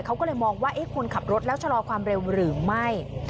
เขาก็เลยมองว่าคุณขับรถแล้วชะลอความเร็วหรือไม่